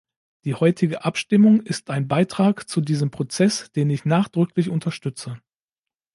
Die heutige Abstimmung ist ein Beitrag zu diesem Prozess, den ich nachdrücklich unterstütze.